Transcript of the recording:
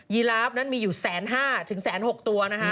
ยีราฟนั้นมีอยู่๑๕๐๐๐๐ถึง๑๖๐๐๐๐ตัว